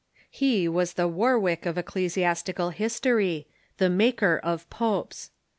He was the "Warwick of ecclesiastical history — the maker of popes.